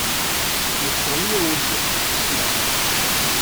Yesseɣli-awent deg tfesna.